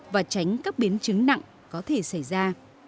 và tránh các biến chứng nặng có thể xảy ra